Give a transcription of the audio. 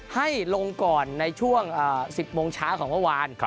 ให้ลงก่อนในช่วง๑๐โมงเช้าของเมื่อวาน